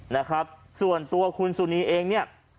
นะครับส่วนตัวคุณสุนีเองเนี่ย